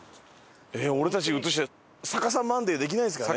俺たち映して逆さマンデーできないですかね。